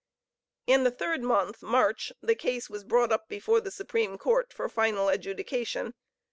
In the Third month, (March,) the case was brought up before the Supreme Court for final adjudication.